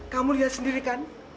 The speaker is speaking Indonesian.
kamu lihat sendiri kan